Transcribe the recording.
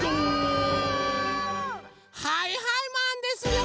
はいはいマンですよ！